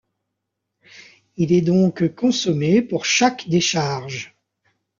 Il est donc consommé pour chaque décharge.